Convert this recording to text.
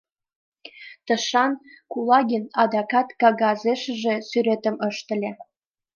Тышан Кулагин адакат кагазешыже сӱретым ыштыле.